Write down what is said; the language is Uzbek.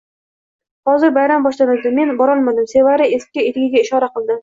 Hozir bayram boshlanadi, men borolmadimSevara eski etigiga ishora qildi